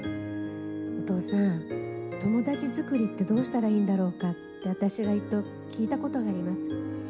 お父さん、友達作りってどうしたらいいんだろうかって、私が聞いたことがあります。